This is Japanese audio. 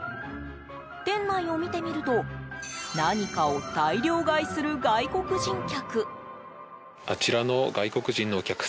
店内を見てみると何かを大量買いする外国人客。